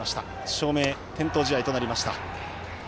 照明点灯試合となりました。